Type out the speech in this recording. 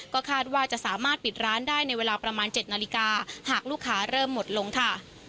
ก็คาดว่าจะสามารถปิดร้านได้ในเวลาประมาณ๗นาฬิกาหากลูกค้าเริ่มหมดลงค่ะ